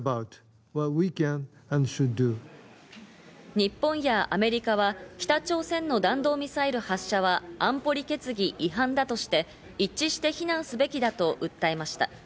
日本やアメリカは北朝鮮の弾道ミサイル発射は安保理決議違反だとして、一致して非難すべきだと訴えました。